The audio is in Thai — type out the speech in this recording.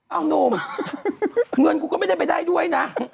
เอานุ่มเงินกูก็ไม่ได้ไปได้ด้วยนะ